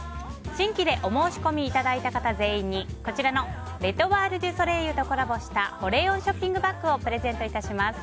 新規でお申し込みいただいた方全員に、こちらのレ・トワール・デュ・ソレイユとコラボした保冷温ショッピングバッグをプレゼント致します。